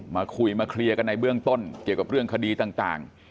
มาคุยมาเคลียร์กันในเบื้องต้นเกี่ยวกับเรื่องคดีต่าง